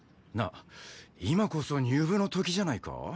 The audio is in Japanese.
なあ今こそ入部の時じゃないか？